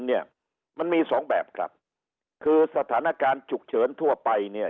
เนี่ยมันมีสองแบบครับคือสถานการณ์ฉุกเฉินทั่วไปเนี่ย